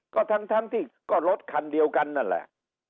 ก็ทั้งที่ก็รถคันเดียวกันนั่นแหละ